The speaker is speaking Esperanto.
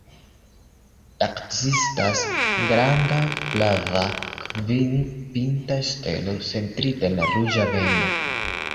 Ekzistas granda flava, kvin-pinta stelo centrita en la ruĝa bendo.